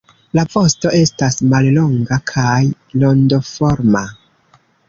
La vosto estas mallonga kaj rondoforma.